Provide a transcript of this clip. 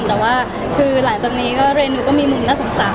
แต่ว่าคือหลังจากนี้ก็เรนูก็มีมุมน่าสงสาร